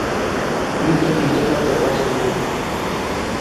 miten pik che mache koba sukul